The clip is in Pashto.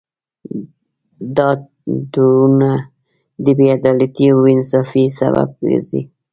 دا تړونونه د بې عدالتۍ او بې انصافۍ سبب ګرځي